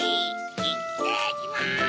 いってきます！